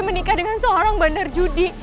menikah dengan seorang bandar judi